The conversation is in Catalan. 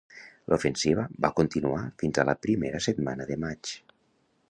L'ofensiva va continuar fins a la primera setmana de maig.